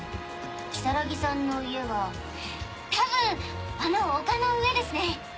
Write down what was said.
如月さんの家は多分あの丘の上ですね。